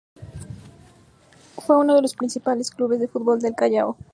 Fue unos de los principales clubes de fútbol del Callao.